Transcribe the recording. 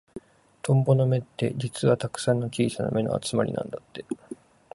トンボの目って、実はたくさんの小さな目の集まりなんだって。